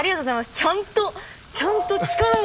ちゃんとちゃんと力が。